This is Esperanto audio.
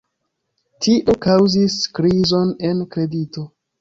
Tio kaŭzis krizon en kredito.